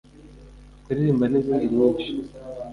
kuririmba n’izindi nyinshi